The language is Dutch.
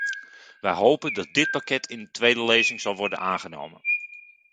We hopen dat dit pakket in tweede lezing zal worden aangenomen.